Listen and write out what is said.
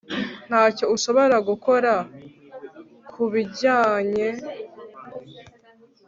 Ntacyo ushobora gukora kubijyanye